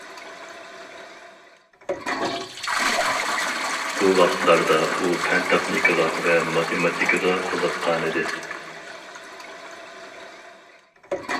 بۇ ۋاقىتلاردا ئۇ پەن-تېخنىكىغا ۋە ماتېماتىكىغا قىزىققانىدى.